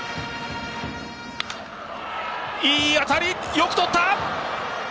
よくとった！